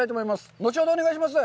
後ほどお願いします。